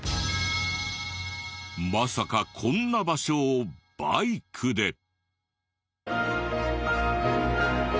まさかこんな場所をバイクで。